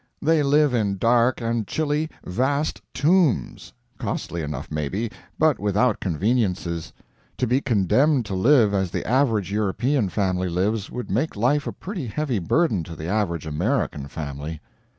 They live in dark and chilly vast tombs costly enough, maybe, but without conveniences. To be condemned to live as the average European family lives would make life a pretty heavy burden to the average American family.